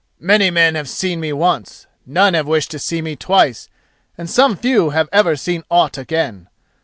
"Many men have seen me once, none have wished to see me twice, and some few have never seen aught again.